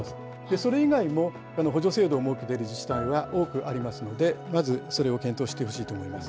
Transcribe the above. それ以外も、補助制度を設けている自治体が多くありますので、まずそれを検討してほしいと思います。